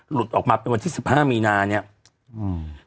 หลุดออกมาเป็นวันที่สิบห้ามีนาเนี้ยอืม